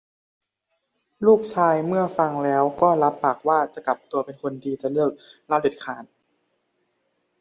ลูกชายเมื่อฟังแล้วก็รับปากว่า จะกลับตัวเป็นคนดี จะเลิกเหล้าเด็ดขาด